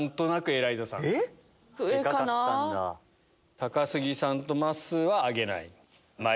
高杉さんとまっすーは挙げない。